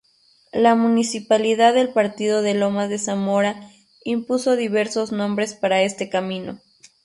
La municipalidad del partido de Lomas de Zamora impuso diversos nombres para este camino.